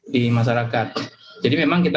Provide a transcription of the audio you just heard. di masyarakat jadi memang kita